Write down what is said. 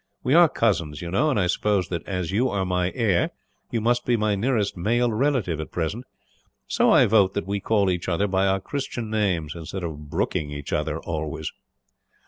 We are cousins, you know, and I suppose that as you are my heir, you must be my nearest male relation, at present; so I vote that we call each other by our Christian names, instead of Brookeing each other, always."